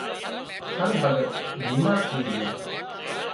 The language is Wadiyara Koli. هانَ ڀڳت بيمار ٿئي جھو